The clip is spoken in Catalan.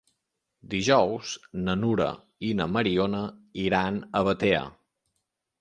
Dijous na Nura i na Mariona iran a Batea.